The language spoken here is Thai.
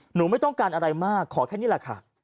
ไม่ต้องการอะไรมากขอแค่นี้แหละค่ะ